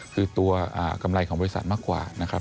คือตัวกำไรของบริษัทมากกว่านะครับ